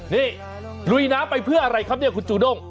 นี่ลุยน้ำไปเพื่ออะไรครับเนี่ยคุณจูด้ง